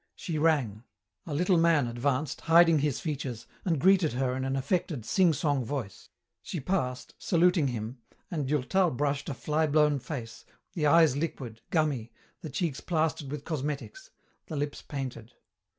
She rang. A little man advanced, hiding his features, and greeted her in an affected, sing song voice. She passed, saluting him, and Durtal brushed a fly blown face, the eyes liquid, gummy, the cheeks plastered with cosmetics, the lips painted.